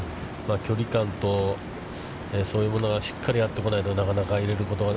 距離感とそういうものがしっかり合ってこないと、なかなか入れることは。